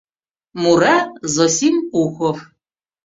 Мура Зосим Ухов.